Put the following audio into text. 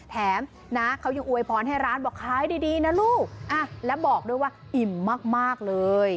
แถมนะเขายังอวยพรให้ร้านบอกขายดีนะลูกและบอกด้วยว่าอิ่มมากเลย